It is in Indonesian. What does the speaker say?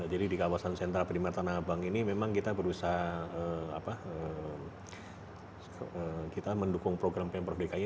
jadi di kawasan sentral primer tanah abang ini memang kita berusaha dikendukung program pemprovdki